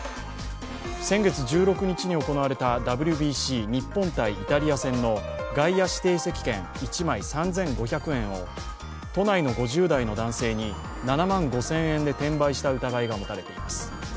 先月１６日に行われたＷＢＣ、日本×イタリア戦の外野指定席券１枚３５００円を都内の５０代の男性に７万５０００円で転売した疑いが持たれています。